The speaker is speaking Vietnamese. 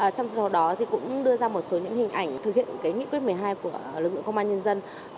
trong thời gian đó thì cũng đưa ra một số những hình ảnh thực hiện cái nghị quyết một mươi hai của lực lượng công an nhân dân